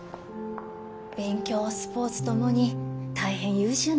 勉強スポーツ共に大変優秀なようで。